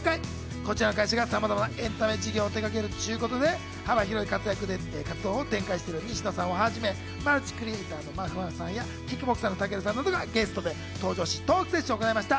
こちらの会社がさまざまなエンタメ事業を手がけるっちゅうことで幅広い活動を展開している西野さんをはじめ、マルチクリエイターのまふまふさんや、キックボクサーの武尊さんなどがゲストで登場し、トークセッションを行いました。